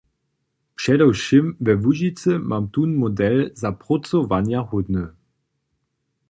Předewšěm we Łužicy mam tón model za prócowanjahódny.